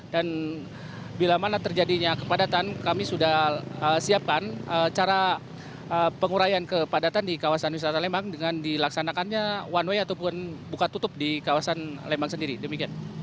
dan bila mana terjadinya kepadatan kami sudah siapkan cara pengurayan kepadatan di kawasan wisata lembang dengan dilaksanakannya one way ataupun buka tutup di kawasan lembang sendiri demikian